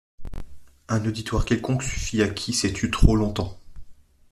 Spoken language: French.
Un auditoire quelconque suffit à qui s'est tu trop longtemps.